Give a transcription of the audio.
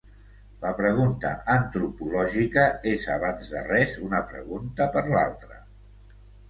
La pregunta antropològica és abans de res una pregunta per l'altre.